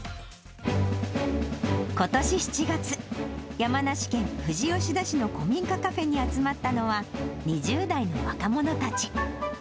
ことし７月、山梨県富士吉田市の古民家カフェに集まったのは、２０代の若者たち。